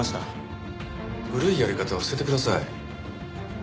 古いやり方は捨ててください。